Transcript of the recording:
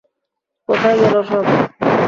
কোথায় গেল সব?